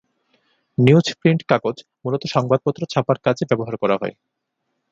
‘Newsprint’ কাগজ মূলত সংবাদপত্র ছাপার কাজে ব্যবহার করা হয়।